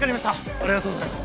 ありがとうございます。